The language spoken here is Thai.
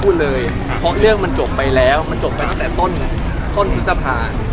เพราะเรื่องมันจบไปแล้วมันจบไปตั้งแต่ต้นต้นวิสัพผ่าน